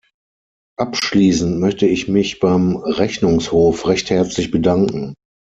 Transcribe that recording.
Abschließend möchte ich mich beim Rechnungshof recht herzlich bedanken.